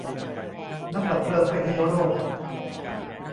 นักดับเพลิงเป็นฮีโร่